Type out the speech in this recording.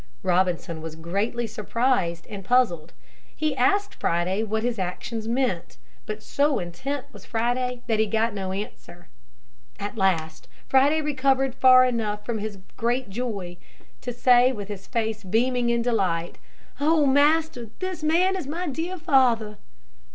Robinson was greatly surprised and puzzled. He asked Friday what his actions meant. But so intent was Friday that he got no answer. At last Friday recovered far enough from his great joy to say with face beaming with delight, "O, Master, this man is my dear father."